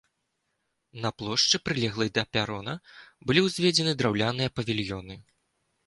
На плошчы, прылеглай да перона, былі ўзведзены драўляныя павільёны.